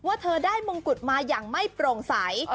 เธอได้มงกุฎมาอย่างไม่โปร่งใส